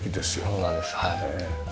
そうなんですはい。